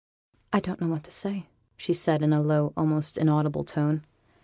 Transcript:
'I don't know what to say,' said she, in a low, almost inaudible tone.